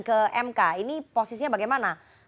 ke mk ini posisinya bagaimana